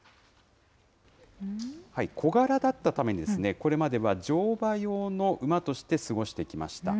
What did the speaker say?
小柄だったために、これまでは乗馬用の馬として過ごしてきました。